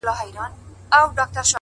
هره پرېکړه راتلونکی جوړوي